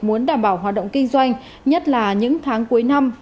muốn đảm bảo hoạt động kinh doanh nhất là những tháng cuối năm